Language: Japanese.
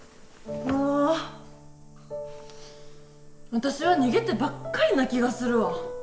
私は逃げてばっかりな気がするわ。